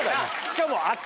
しかも。